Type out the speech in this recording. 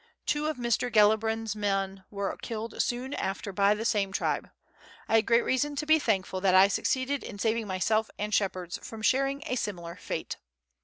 Two of Mr. Gellibrand's men were killed soon after by the same tribe. I had great reason to be thankful that I succeeded in saving myself and shepherds from sharing a similar fate.